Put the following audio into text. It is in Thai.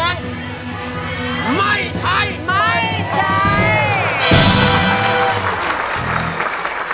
ไม่ใช้